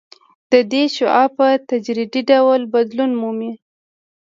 د دې شعاع په تدریجي ډول بدلون مومي